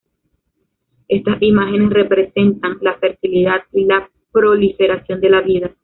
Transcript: Estas imágenes representan la fertilidad y la proliferación de la vida.